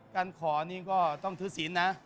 การขอนี่ก็ต้องถือศีลนะ